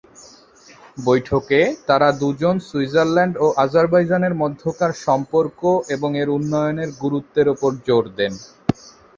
বৈঠকে, তারা দুজন, সুইজারল্যান্ড ও আজারবাইজানের মধ্যকার সম্পর্ক এবং এর উন্নয়নের গুরুত্বের ওপর জোর দেন।